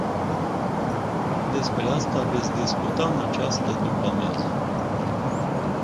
Despre asta veți discuta în această după-amiază.